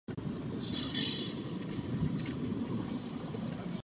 Bylo obklopeno řekou a značným množstvím bažin.